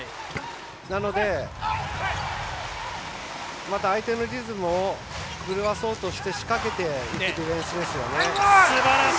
なので、相手のリズムを狂わそうとして仕掛けているディフェンスですね。